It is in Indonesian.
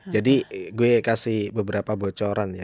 jadi gue kasih beberapa bocoran ya